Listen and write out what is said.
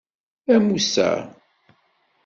A Musa!